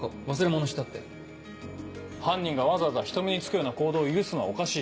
何か犯人がわざわざ人目につくような行動を許すのはおかしい。